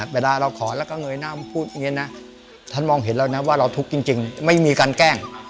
เวลาเราขอแล้วก็เงยหน้าพูดอย่างนี้นะท่านมองเห็นแล้วนะว่าเราทุกข์จริงไม่มีการแกล้ง